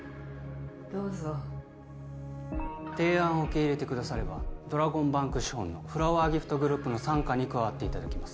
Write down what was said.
どうぞ提案を受け入れてくださればドラゴンバンク資本のフラワーギフトグループの傘下に加わっていただきます